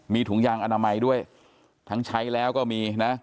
มีถุงยางอนามัยด้วยทั้งใช้แล้วก็มีนะ